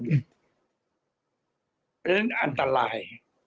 เพราะฉะนั้นอันตราย